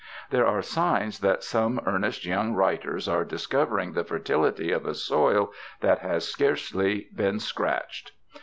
There are signs that some earnest young writers are discovering the fertility of a soil that has scarcely been scratched.